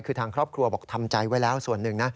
คือทางครอบครัวบอกทำใจไว้แล้วส่วนหนึ่งนะ